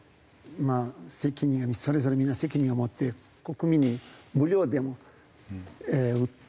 まあ責任それぞれみんな責任を持って国民に無料でも打って。